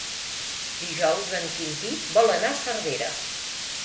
Dijous en Quintí vol anar a Cervera.